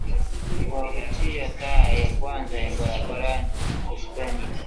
Kwa kutia taa ya kwanza ya barabarani Usipania